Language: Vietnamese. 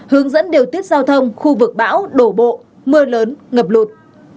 hướng dẫn điều tiết giao thông khu vực bão đổ bộ mưa lớn ngập lụt